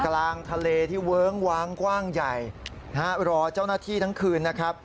กลางทะเลที่เวิ้งวางกว้างใหญ่นะฮะรอเจ้าหน้าที่ทั้งคืนนะครับ